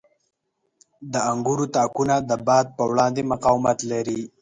• د انګورو تاکونه د باد په وړاندې مقاومت لري.